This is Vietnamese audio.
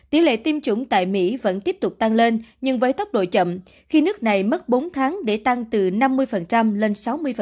tỷ lệ tiêm chủng tại mỹ vẫn tiếp tục tăng lên nhưng với tốc độ chậm khi nước này mất bốn tháng để tăng từ năm mươi lên sáu mươi